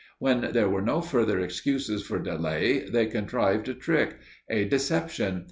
When there were no further excuses for delay they contrived a trick a deception.